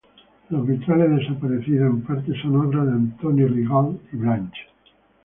Los vitrales, desaparecidos en parte, son obra de Antoni Rigalt i Blanch.